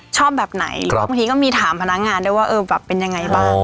ชอบแบบไหนหรือว่าบางทีก็มีถามพนักงานได้ว่าเออแบบเป็นยังไงบ้าง